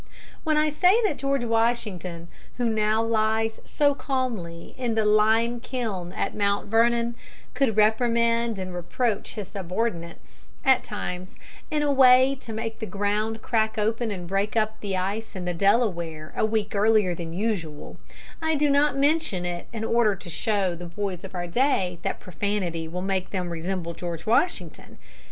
] When I say that George Washington, who now lies so calmly in the lime kiln at Mount Vernon, could reprimand and reproach his subordinates, at times, in a way to make the ground crack open and break up the ice in the Delaware a week earlier than usual, I do not mention it in order to show the boys of our day that profanity will make them resemble George Washington.